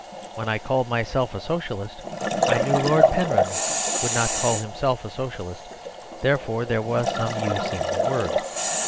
When I called myself a Socialist I knew Lord Penrhyn would not call himself a Socialist; therefore there was some use in the word.